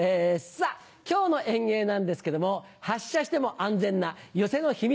さぁ今日の演芸なんですけども発射しても安全な寄席の秘密